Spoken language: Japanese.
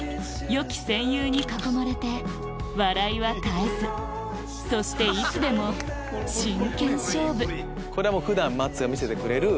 よき戦友に囲まれて笑いは絶えずそしていつでも真剣勝負普段マツが見せてくれる。